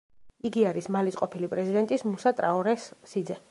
იგი არის მალის ყოფილი პრეზიდენტის მუსა ტრაორეს სიძე.